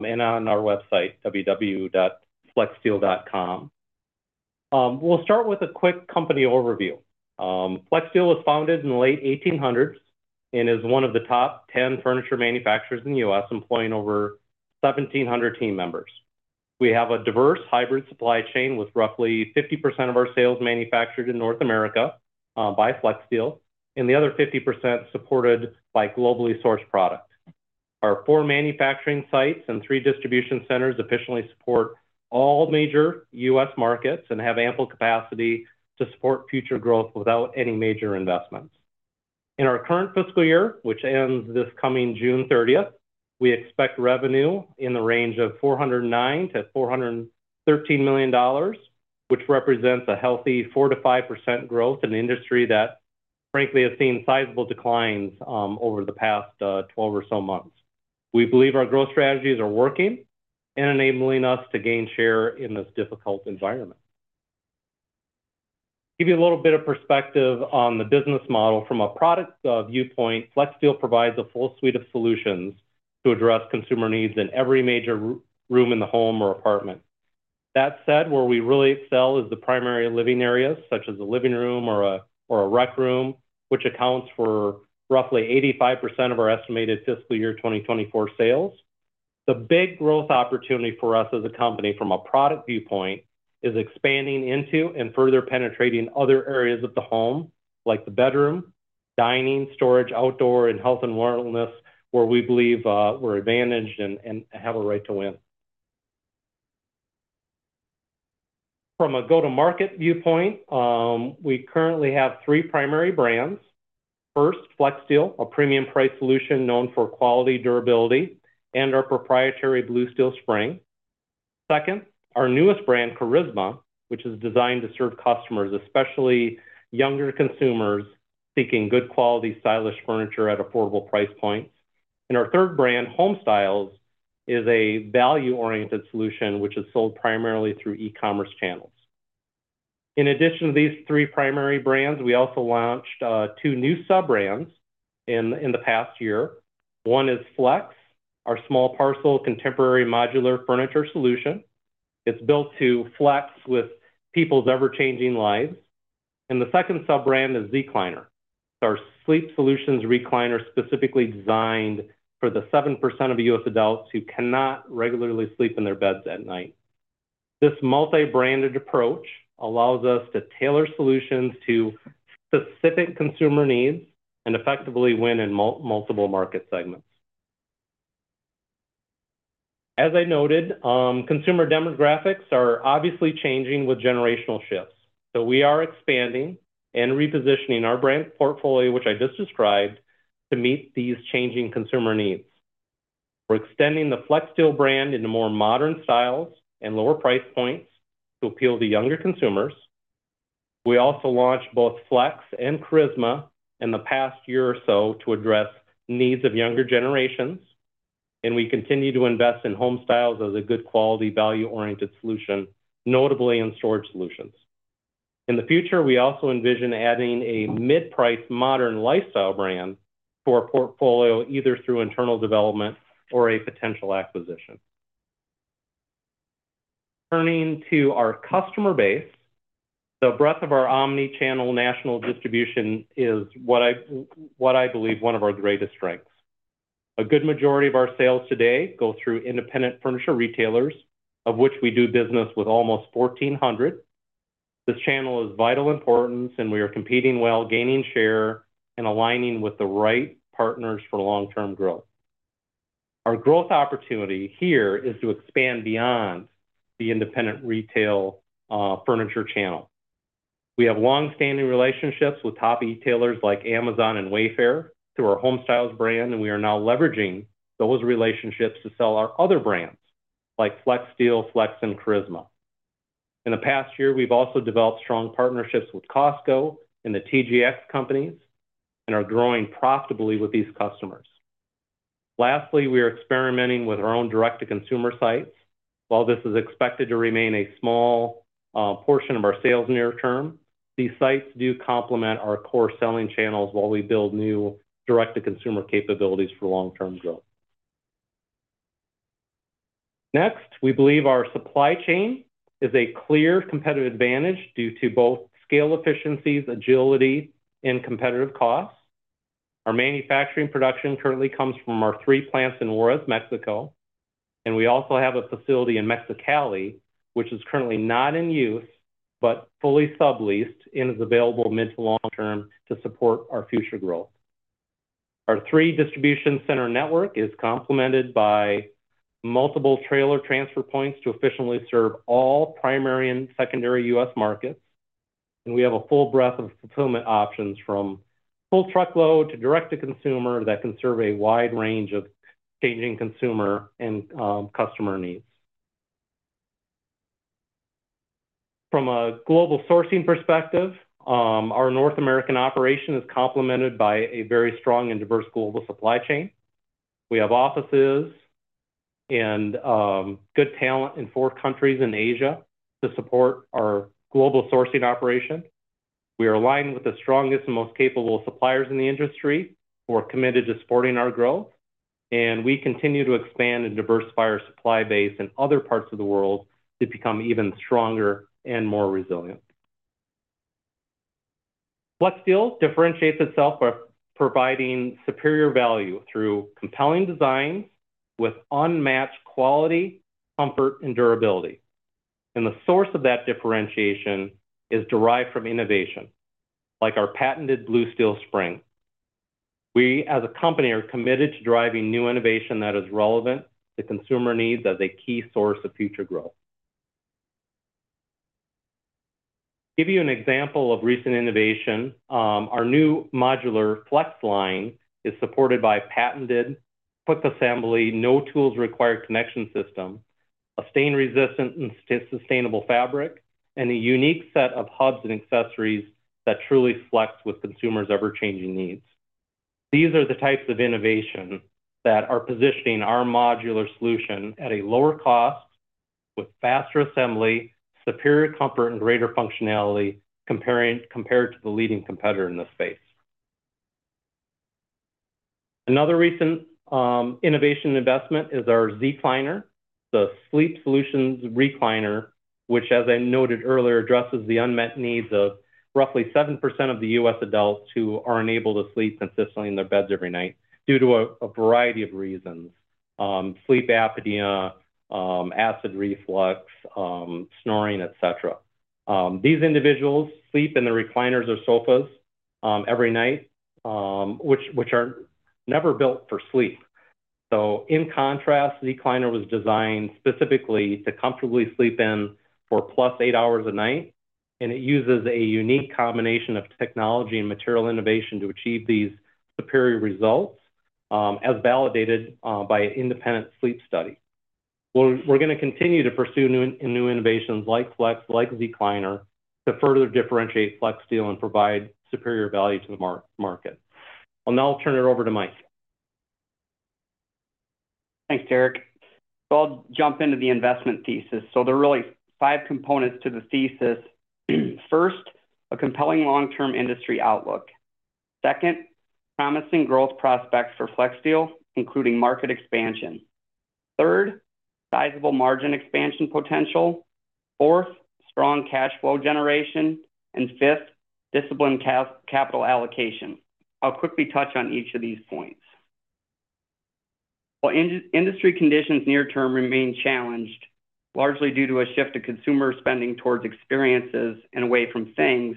On our website www.flexsteel.com, we'll start with a quick company overview. Flexsteel was founded in the late 1800s and is one of the top 10 furniture manufacturers in the U.S., employing over 1,700 team members. We have a diverse hybrid supply chain with roughly 50% of our sales manufactured in North America, by Flexsteel, and the other 50% supported by globally sourced product. Our four manufacturing sites and three distribution centers officially support all major U.S. markets and have ample capacity to support future growth without any major investments. In our current fiscal year, which ends this coming June 30th, we expect revenue in the range of $409 million-$413 million, which represents a healthy 4%-5% growth in` an industry that, frankly, has seen sizable declines, over the past, 12 or so months. We believe our growth strategies are working and enabling us to gain share in this difficult environment. Give you a little bit of perspective on the business model from a product viewpoint, Flexsteel provides a full suite of solutions to address consumer needs in every major room in the home or apartment. That said, where we really excel is the primary living areas, such as a living room or a rec room, which accounts for roughly 85% of our estimated fiscal year 2024 sales. The big growth opportunity for us as a company from a product viewpoint is expanding into and further penetrating other areas of the home, like the bedroom, dining, storage, outdoor, and health and wellness, where we believe we're advantaged and have a right to win. From a go-to-market viewpoint, we currently have three primary brands. First, Flexsteel, a premium price solution known for quality, durability, and our proprietary Blue Steel Spring. Second, our newest brand, Charisma, which is designed to serve customers, especially younger consumers seeking good quality, stylish furniture at affordable price points. Our third brand, Homestyles, is a value-oriented solution, which is sold primarily through e-commerce channels. In addition to these three primary brands, we also launched two new sub-brands in the past year. One is Flex, our small parcel contemporary modular furniture solution. It's built to flex with people's ever-changing lives. And the second sub-brand is Zecliner. Our sleep solutions recliner specifically designed for the 7% of U.S. adults who cannot regularly sleep in their beds at night. This multi-branded approach allows us to tailor solutions to specific consumer needs and effectively win in multiple market segments. As I noted, consumer demographics are obviously changing with generational shifts. So we are expanding and repositioning our brand portfolio, which I just described, to meet these changing consumer needs. We're extending the Flexsteel brand into more modern styles and lower price points to appeal to younger consumers. We also launched both Flex and Charisma in the past year or so to address needs of younger generations. We continue to invest in Homestyles as a good quality, value-oriented solution, notably in storage solutions. In the future, we also envision adding a mid-price modern lifestyle brand to our portfolio either through internal development or a potential acquisition. Turning to our customer base. The breadth of our omnichannel national distribution is what I believe is one of our greatest strengths. A good majority of our sales today go through independent furniture retailers, of which we do business with almost 1,400. This channel is vital importance, and we are competing well, gaining share, and aligning with the right partners for long-term growth. Our growth opportunity here is to expand beyond the independent retail furniture channel. We have longstanding relationships with top retailers like Amazon and Wayfair through our Homestyles brand, and we are now leveraging those relationships to sell our other brands, like Flexsteel, Flex, and Charisma. In the past year, we've also developed strong partnerships with Costco and the TJX Companies. We are growing profitably with these customers. Lastly, we are experimenting with our own direct-to-consumer sites. While this is expected to remain a small portion of our sales near term, these sites do complement our core selling channels while we build new direct-to-consumer capabilities for long-term growth. Next, we believe our supply chain is a clear competitive advantage due to both scale efficiencies, agility, and competitive costs. Our manufacturing production currently comes from our three plants in Juarez, Mexico. We also have a facility in Mexicali, which is currently not in use, but fully subleased and is available mid to long term to support our future growth. Our three distribution center network is complemented by multiple trailer transfer points to efficiently serve all primary and secondary U.S. markets. We have a full breadth of fulfillment options from full truckload to direct-to-consumer that can serve a wide range of changing consumer and customer needs. From a global sourcing perspective, our North American operation is complemented by a very strong and diverse global supply chain. We have offices and good talent in four countries in Asia to support our global sourcing operation. We are aligned with the strongest and most capable suppliers in the industry. We're committed to supporting our growth. We continue to expand and diversify our supply base in other parts of the world to become even stronger and more resilient. Flexsteel differentiates itself by providing superior value through compelling designs with unmatched quality, comfort, and durability. The source of that differentiation is derived from innovation. Like our patented Blue Steel Spring. We, as a company, are committed to driving new innovation that is relevant to consumer needs as a key source of future growth. Give you an example of recent innovation. Our new modular Flex line is supported by patented quick assembly, no tools required connection system. A stain-resistant and sustainable fabric and a unique set of hubs and accessories that truly flex with consumers' ever-changing needs. These are the types of innovation that are positioning our modular solution at a lower cost. With faster assembly, superior comfort, and greater functionality compared to the leading competitor in the space. Another recent innovation investment is our Zecliner. The sleep solutions recliner, which, as I noted earlier, addresses the unmet needs of roughly 7% of the U.S. adults who aren't able to sleep consistently in their beds every night due to a variety of reasons: sleep apnea, acid reflux, snoring, etc. These individuals sleep in the recliners or sofas every night, which aren't never built for sleep. So in contrast, Zecliner was designed specifically to comfortably sleep in for plus eight hours a night. And it uses a unique combination of technology and material innovation to achieve these superior results, as validated by an independent sleep study. We're going to continue to pursue new innovations like Flex, like Zecliner, to further differentiate Flexsteel and provide superior value to the market. Well, now I'll turn it over to Mike. Thanks, Derek. I'll jump into the investment thesis. There are really five components to the thesis. First, a compelling long-term industry outlook. Second, promising growth prospects for Flexsteel, including market expansion. Third, sizable margin expansion potential. Fourth, strong cash flow generation. And fifth, disciplined capital allocation. I'll quickly touch on each of these points. While industry conditions near term remain challenged, largely due to a shift of consumer spending towards experiences and away from things.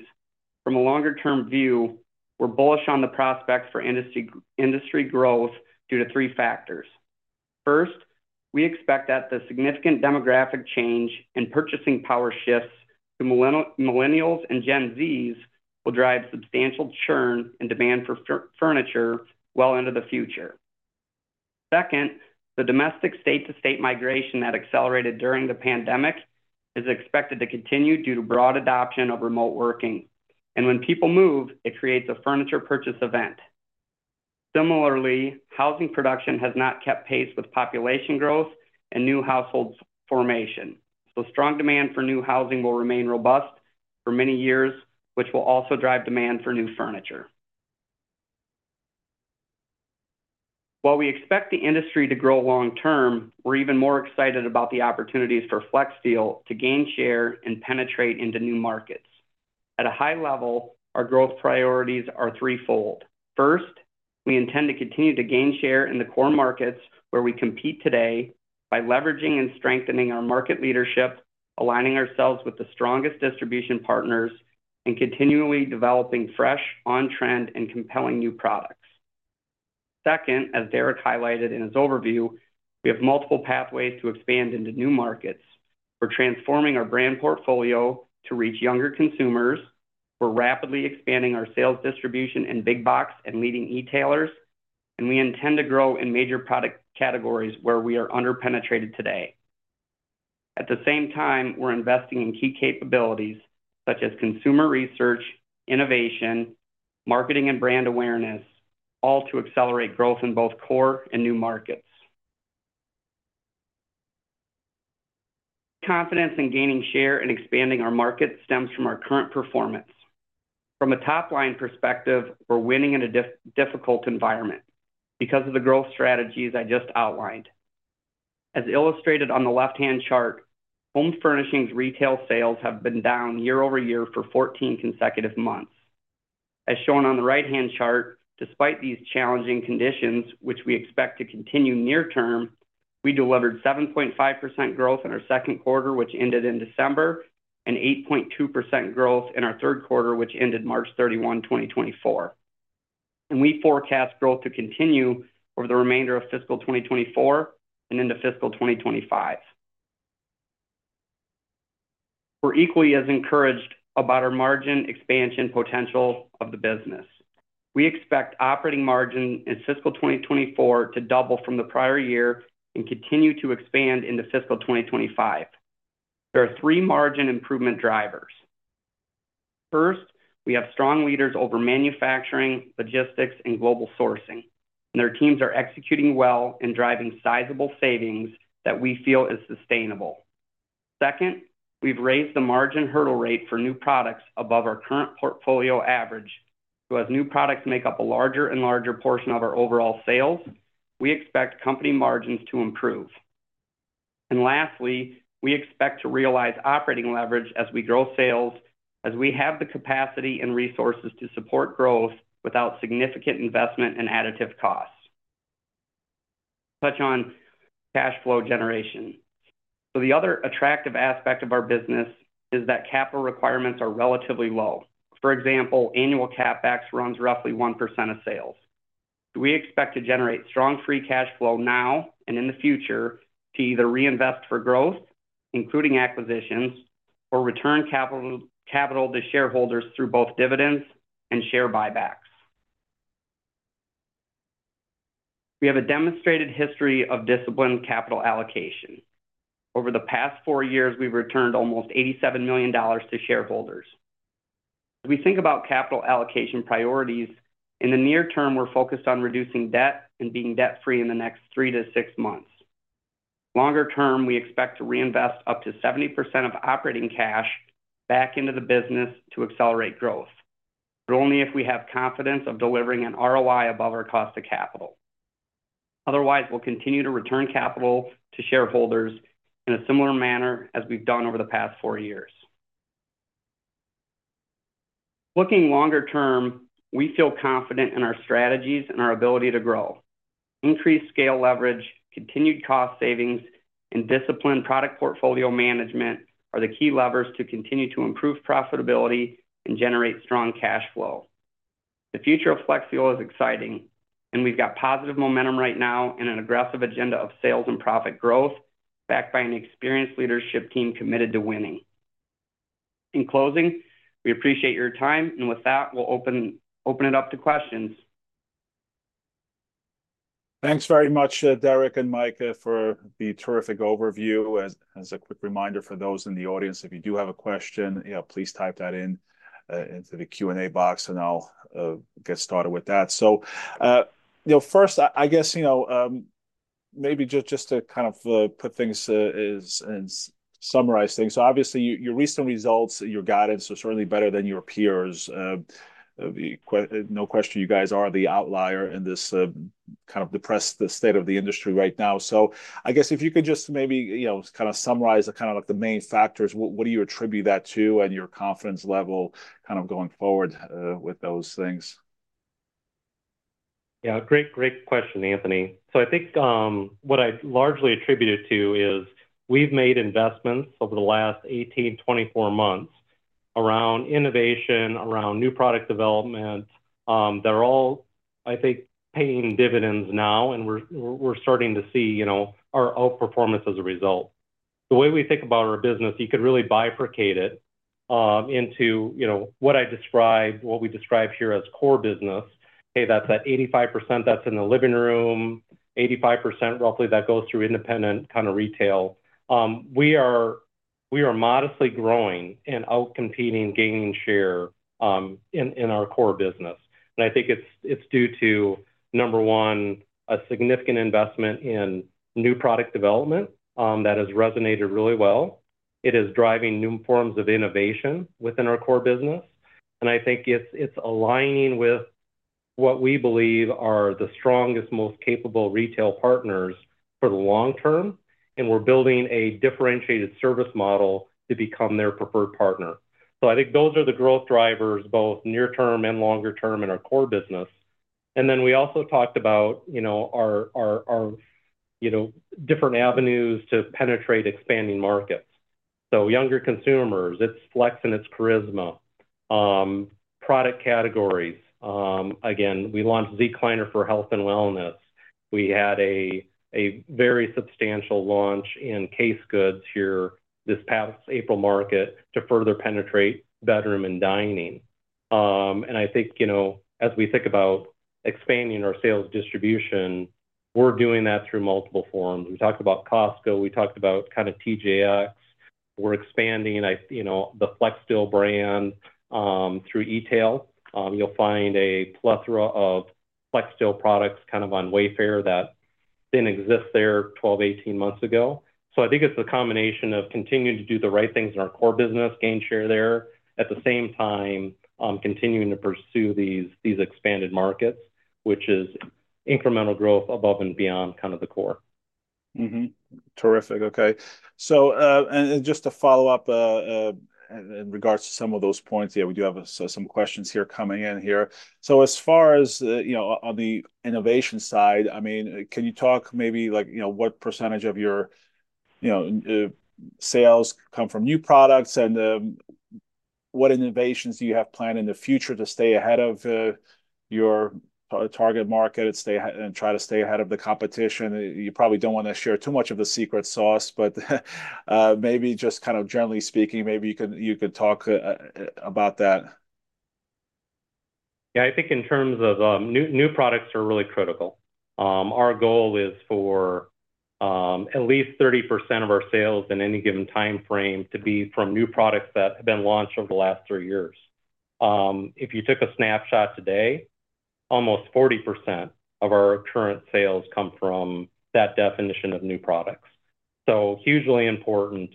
From a longer term view, we're bullish on the prospects for industry growth due to three factors. First, we expect that the significant demographic change and purchasing power shifts to Millennials and Gen Zs will drive substantial churn and demand for furniture well into the future. Second, the domestic state-to-state migration that accelerated during the pandemic is expected to continue due to broad adoption of remote working. When people move, it creates a furniture purchase event. Similarly, housing production has not kept pace with population growth and new household formation. So strong demand for new housing will remain robust for many years, which will also drive demand for new furniture. While we expect the industry to grow long term, we're even more excited about the opportunities for Flexsteel to gain share and penetrate into new markets. At a high level, our growth priorities are threefold. First, we intend to continue to gain share in the core markets where we compete today by leveraging and strengthening our market leadership, aligning ourselves with the strongest distribution partners, and continually developing fresh, on-trend, and compelling new products. Second, as Derek highlighted in his overview, we have multiple pathways to expand into new markets. We're transforming our brand portfolio to reach younger consumers. We're rapidly expanding our sales distribution in big box and leading retailers. We intend to grow in major product categories where we are under-penetrated today. At the same time, we're investing in key capabilities such as consumer research, innovation, marketing, and brand awareness. All to accelerate growth in both core and new markets. Confidence in gaining share and expanding our markets stems from our current performance. From a top line perspective, we're winning in a difficult environment. Because of the growth strategies I just outlined. As illustrated on the left-hand chart, home furnishings retail sales have been down year-over-year for 14 consecutive months. As shown on the right-hand chart, despite these challenging conditions, which we expect to continue near-term. We delivered 7.5% growth in our second quarter, which ended in December. And 8.2% growth in our third quarter, which ended March 31, 2024. We forecast growth to continue for the remainder of fiscal 2024 and into fiscal 2025. We're equally as encouraged about our margin expansion potential of the business. We expect operating margin in fiscal 2024 to double from the prior year and continue to expand into fiscal 2025. There are three margin improvement drivers. First, we have strong leaders over manufacturing, logistics, and global sourcing. Their teams are executing well and driving sizable savings that we feel is sustainable. Second, we've raised the margin hurdle rate for new products above our current portfolio average. As new products make up a larger and larger portion of our overall sales, we expect company margins to improve. Lastly, we expect to realize operating leverage as we grow sales. As we have the capacity and resources to support growth without significant investment and additive costs. Touch on cash flow generation. The other attractive aspect of our business is that capital requirements are relatively low. For example, annual CapEx runs roughly 1% of sales. Do we expect to generate strong free cash flow now and in the future to either reinvest for growth, including acquisitions, or return capital to shareholders through both dividends and share buybacks? We have a demonstrated history of disciplined capital allocation. Over the past four years, we've returned almost $87 million to shareholders. As we think about capital allocation priorities, in the near term, we're focused on reducing debt and being debt-free in the next three to six months. Longer term, we expect to reinvest up to 70% of operating cash back into the business to accelerate growth. But only if we have confidence of delivering an ROI above our cost of capital. Otherwise, we'll continue to return capital to shareholders in a similar manner as we've done over the past four years. Looking longer term, we feel confident in our strategies and our ability to grow. Increased scale leverage, continued cost savings, and disciplined product portfolio management are the key levers to continue to improve profitability and generate strong cash flow. The future of Flexsteel is exciting. And we've got positive momentum right now and an aggressive agenda of sales and profit growth. Backed by an experienced leadership team committed to winning. In closing, we appreciate your time. And with that, we'll open it up to questions. Thanks very much, Derek and Mike, for the terrific overview. As a quick reminder for those in the audience, if you do have a question, you know, please type that in into the Q&A box, and I'll get started with that. So, you know, first, I guess, you know, maybe just to kind of put things i.e. summarize things. So obviously, your recent results, your guidance are certainly better than your peers. No question you guys are the outlier in this kind of depressed state of the industry right now. So I guess if you could just maybe, you know, kind of summarize the kind of like the main factors, what do you attribute that to and your confidence level kind of going forward with those things? Yeah, great, great question, Anthony. So I think what I largely attribute it to is we've made investments over the last 18, 24 months. Around innovation, around new product development. That are all, I think, paying dividends now. And we're starting to see, you know, our outperformance as a result. The way we think about our business, you could really bifurcate it. Into, you know, what I described, what we describe here as core business. Hey, that's at 85% that's in the living room. 85% roughly that goes through independent kind of retail. We are modestly growing and outcompeting, gaining share in our core business. And I think it's due to number one, a significant investment in new product development. That has resonated really well. It is driving new forms of innovation within our core business. And I think it's aligning with what we believe are the strongest, most capable retail partners for the long term. And we're building a differentiated service model to become their preferred partner. So I think those are the growth drivers both near term and longer term in our core business. And then we also talked about, you know, our different avenues to penetrate expanding markets. So younger consumers, it's Flex and its Charisma. Product categories. Again, we launched Zecliner for health and wellness. We had a very substantial launch in case goods here. This past April Market to further penetrate bedroom and dining. And I think, you know, as we think about expanding our sales distribution, we're doing that through multiple forms. We talked about Costco, we talked about kind of TJX. We're expanding, you know, the Flexsteel brand. Through retail, you'll find a plethora of Flexsteel products kind of on Wayfair that didn't exist there 12, 18 months ago. So I think it's a combination of continuing to do the right things in our core business, gain share there. At the same time, continuing to pursue these these expanded markets. Which is incremental growth above and beyond kind of the core. Terrific. Okay. So, and just to follow up in regards to some of those points, yeah, we do have some questions here coming in here. So as far as, you know, on the innovation side, I mean, can you talk maybe like, you know, what percentage of your, you know, sales come from new products and what innovations do you have planned in the future to stay ahead of your target market, stay ahead and try to stay ahead of the competition? You probably don't want to share too much of the secret sauce, but maybe just kind of generally speaking, maybe you could you could talk about that. Yeah, I think in terms of new products are really critical. Our goal is for at least 30% of our sales in any given timeframe to be from new products that have been launched over the last three years. If you took a snapshot today, almost 40% of our current sales come from that definition of new products. So hugely important.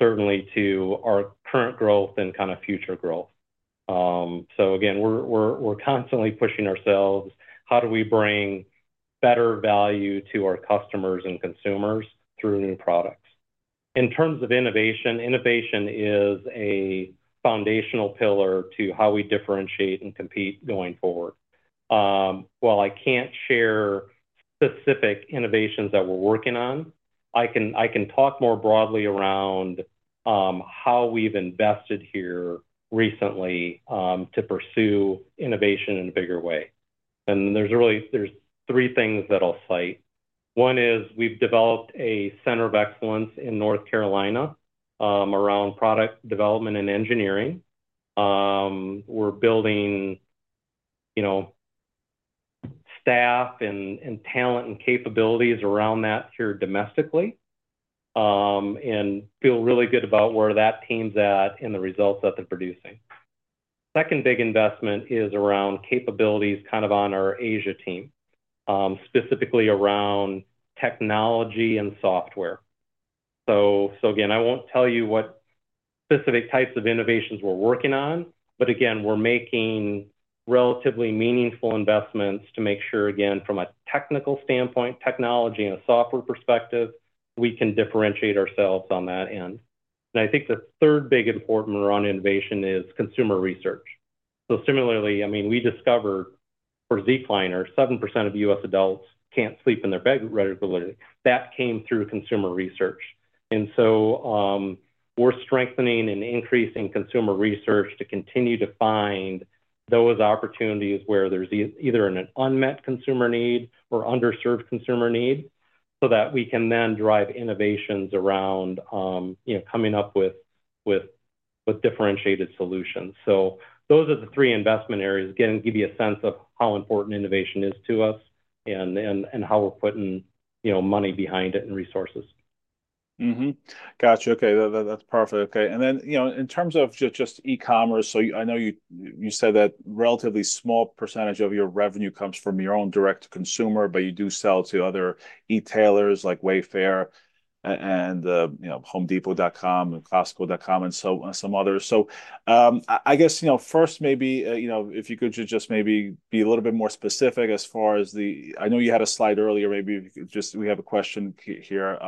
Certainly to our current growth and kind of future growth. So again, we're constantly pushing ourselves. How do we bring better value to our customers and consumers through new products? In terms of innovation, innovation is a foundational pillar to how we differentiate and compete going forward. While I can't share specific innovations that we're working on, I can talk more broadly around how we've invested here recently to pursue innovation in a bigger way. And there's really three things that I'll cite. One is we've developed a center of excellence in North Carolina around product development and engineering. We're building, you know, staff and talent and capabilities around that here domestically. And feel really good about where that team's at and the results that they're producing. Second big investment is around capabilities kind of on our Asia team. Specifically around technology and software. So so again, I won't tell you what specific types of innovations we're working on. But again, we're making relatively meaningful investments to make sure again from a technical standpoint, technology and a software perspective, we can differentiate ourselves on that end. And I think the third big important around innovation is consumer research. So similarly, I mean, we discovered for Zecliner, 7% of U.S. adults can't sleep in their bed regularly. That came through consumer research. And so we're strengthening and increasing consumer research to continue to find those opportunities where there's either an unmet consumer need or underserved consumer need. So that we can then drive innovations around, you know, coming up with differentiated solutions. So those are the three investment areas again give you a sense of how important innovation is to us. And how we're putting, you know, money behind it and resources. Gotcha. Okay. That's perfect. Okay. And then, you know, in terms of just e-commerce, so I know you you said that relatively small percentage of your revenue comes from your own direct to consumer, but you do sell to other retailers like Wayfair and, you know, HomeDepot.com and Costco.com and so some others. So I guess, you know, first maybe, you know, if you could just maybe be a little bit more specific as far as the I know you had a slide earlier, maybe if you could just we have a question here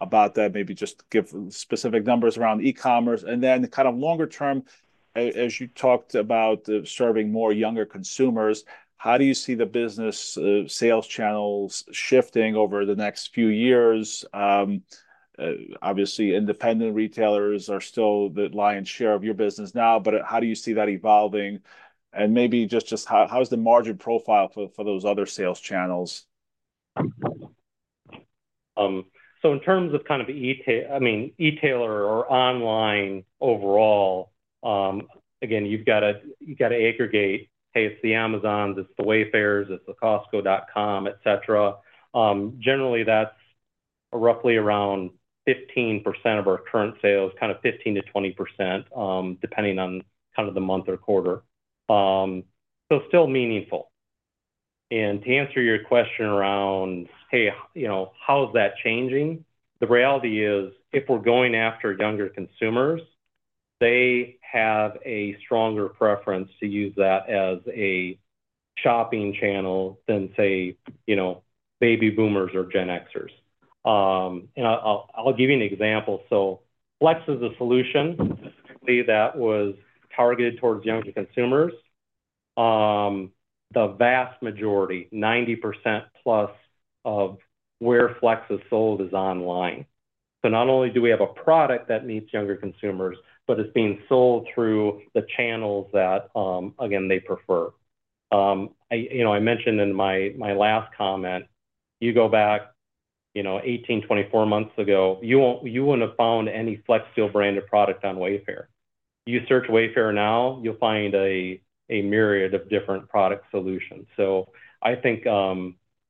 about that, maybe just give specific numbers around e-commerce and then kind of longer term as you talked about serving more younger consumers, how do you see the business sales channels shifting over the next few years? Obviously, independent retailers are still the lion's share of your business now, but how do you see that evolving? Maybe just how is the margin profile for those other sales channels? So in terms of kind of, I mean, retailer or online overall, again, you've got to—you've got to aggregate. Hey, it's the Amazon's, it's the Wayfair's, it's the Costco.com, etc. Generally, that's roughly around 15% of our current sales, kind of 15%-20% depending on kind of the month or quarter. So still meaningful. And to answer your question around, hey, you know, how's that changing? The reality is if we're going after younger consumers, they have a stronger preference to use that as a shopping channel than, say, you know, Baby Boomers or Gen Xers. And I'll give you an example. So Flex is a solution that was targeted towards younger consumers. The vast majority, 90%+ of where Flex is sold is online. So not only do we have a product that meets younger consumers, but it's being sold through the channels that, again, they prefer. You know, I mentioned in my last comment, you go back, you know, 18, 24 months ago, you wouldn't have found any Flexsteel branded product on Wayfair. You search Wayfair now, you'll find a myriad of different product solutions. So I think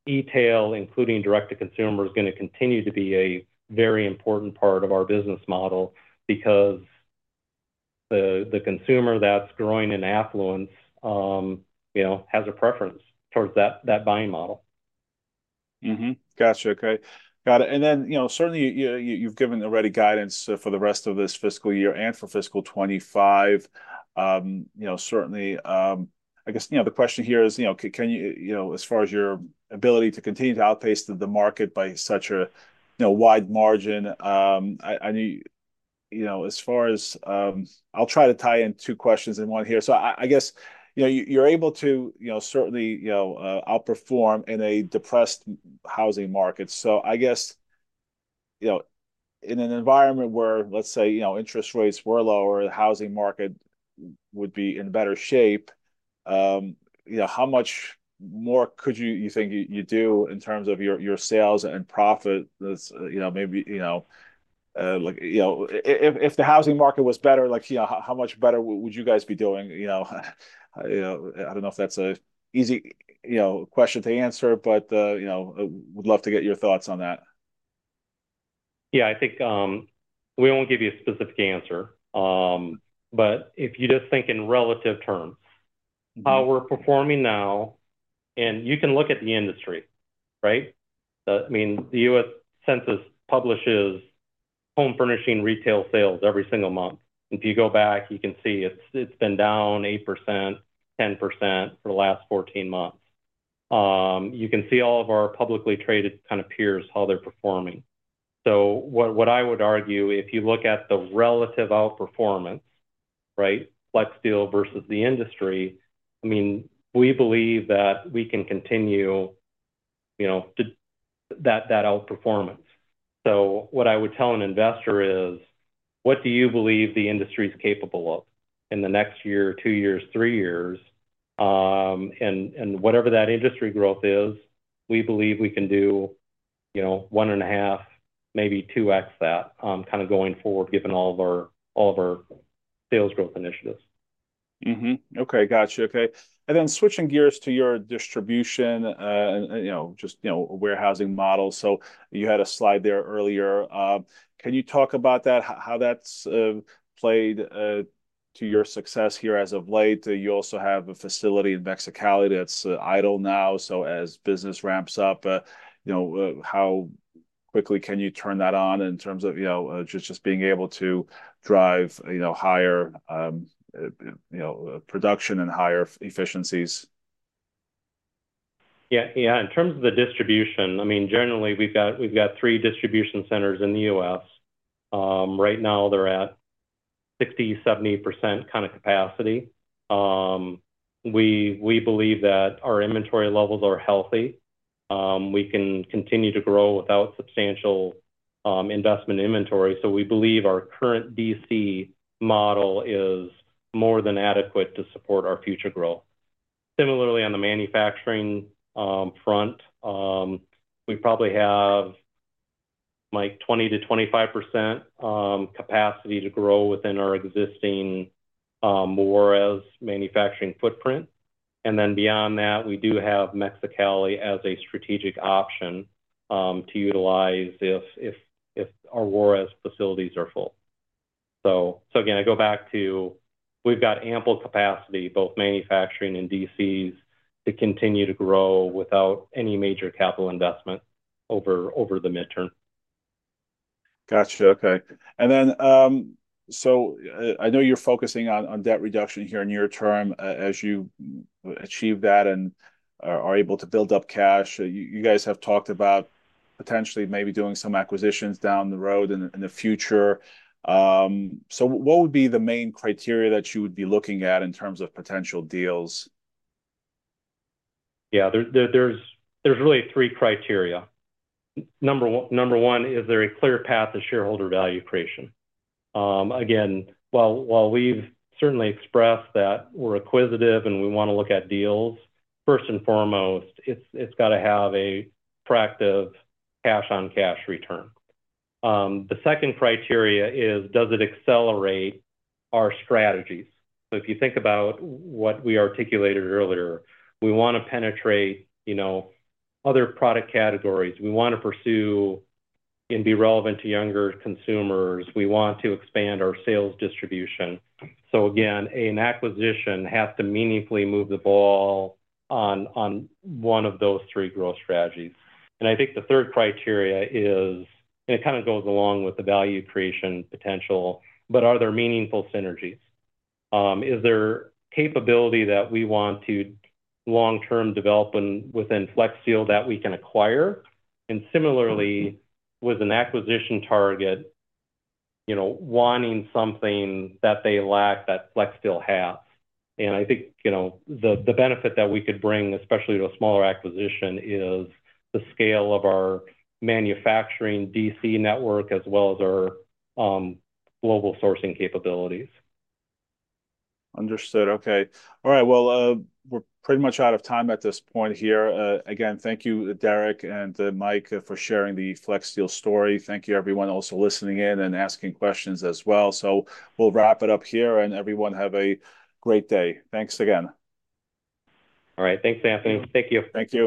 retail, including direct to consumer, is going to continue to be a very important part of our business model because the consumer that's growing in affluence, you know, has a preference towards that buying model. Gotcha. Okay. Got it. And then, you know, certainly you've given already guidance for the rest of this fiscal year and for fiscal 2025. You know, certainly, I guess, you know, the question here is, you know, can you, you know, as far as your ability to continue to outpace the market by such a, you know, wide margin, I know, you know, as far as I'll try to tie in 2 questions in 1 here. So I guess, you know, you're able to, you know, certainly, you know, outperform in a depressed housing market. So I guess, you know, in an environment where, let's say, you know, interest rates were lower, the housing market would be in better shape. You know, how much more could you you think you do in terms of your your sales and profit? You know, maybe, you know, like, you know, if the housing market was better, like, you know, how much better would you guys be doing? You know, you know, I don't know if that's an easy, you know, question to answer, but, you know, would love to get your thoughts on that. Yeah, I think we won't give you a specific answer. But if you just think in relative terms, how we're performing now, and you can look at the industry, right? I mean, the U.S. Census publishes home furnishing retail sales every single month. And if you go back, you can see it's been down 8%-10% for the last 14 months. You can see all of our publicly traded kind of peers, how they're performing. So what I would argue, if you look at the relative outperformance, right? Flexsteel versus the industry, I mean, we believe that we can continue, you know, to that outperformance. So what I would tell an investor is, what do you believe the industry is capable of in the next year, 2 years, 3 years? And whatever that industry growth is, we believe we can do, you know, 1.5, maybe 2x that kind of going forward, given all of our sales growth initiatives. Okay. Gotcha. Okay. And then switching gears to your distribution and, you know, just, you know, warehousing model. So you had a slide there earlier. Can you talk about that? How that's played to your success here as of late? You also have a facility in Mexicali that's idle now. So as business ramps up, you know, how quickly can you turn that on in terms of, you know, just being able to drive, you know, higher, you know, production and higher efficiencies? Yeah. Yeah. In terms of the distribution, I mean, generally we've got three distribution centers in the U.S. Right now they're at 60%-70% kind of capacity. We believe that our inventory levels are healthy. We can continue to grow without substantial investment inventory. So we believe our current DC model is more than adequate to support our future growth. Similarly, on the manufacturing front, we probably have, Mike, 20%-25% capacity to grow within our existing Mexico's manufacturing footprint. And then beyond that, we do have Mexicali as a strategic option to utilize if our Mexico's facilities are full. So again, I go back to we've got ample capacity, both manufacturing and DCs, to continue to grow without any major capital investment over the midterm. Gotcha. Okay. And then, so I know you're focusing on debt reduction here in your term as you achieve that and are able to build up cash. You guys have talked about potentially maybe doing some acquisitions down the road in the future. So what would be the main criteria that you would be looking at in terms of potential deals? Yeah, there's really three criteria. Number one is there a clear path to shareholder value creation? Again, while we've certainly expressed that we're acquisitive and we want to look at deals, first and foremost, it's got to have a practice of cash on cash return. The second criteria is does it accelerate our strategies? So if you think about what we articulated earlier, we want to penetrate, you know, other product categories. We want to pursue and be relevant to younger consumers. We want to expand our sales distribution. So again, an acquisition has to meaningfully move the ball on one of those three growth strategies. And I think the third criteria is, and it kind of goes along with the value creation potential, but are there meaningful synergies? Is there capability that we want to long term develop within Flexsteel that we can acquire? Similarly, was an acquisition target, you know, wanting something that they lack that Flexsteel has? I think, you know, the benefit that we could bring, especially to a smaller acquisition, is the scale of our manufacturing DC network as well as our global sourcing capabilities. Understood. Okay. All right. Well, we're pretty much out of time at this point here. Again, thank you, Derek and Mike, for sharing the Flexsteel story. Thank you, everyone, also listening in and asking questions as well. So we'll wrap it up here and everyone have a great day. Thanks again. All right. Thanks, Anthony. Thank you. Thank you.